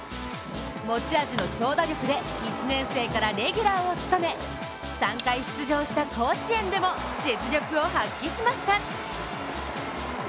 持ち味の長打力で１年生からレギュラーを務め３回出場した甲子園でも実力を発揮しました。